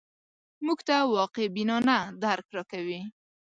موږ ته واقع بینانه درک راکوي